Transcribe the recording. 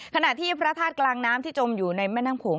ขณะที่พระธาตุกลางน้ำที่จมอยู่ในแม่น้ำโขง